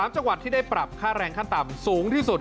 ๓จังหวัดที่ได้ปรับค่าแรงขั้นต่ำสูงที่สุด